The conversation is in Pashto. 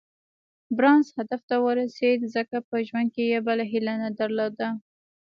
بارنس هدف ته ورسېد ځکه په ژوند کې يې بله هيله نه درلوده.